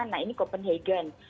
nah ini copenhagen